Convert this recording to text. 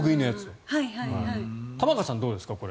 これ、玉川さん、どうですか？